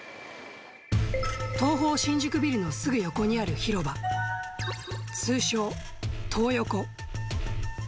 東宝新宿ビルのすぐ横にある広場、通称、トー横。